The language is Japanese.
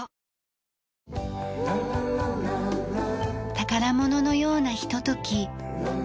宝物のようなひととき。